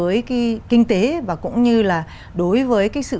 và nó có tác động rất là nặng nề đối với cái kinh tế và cũng như là đối với cái sự phát triển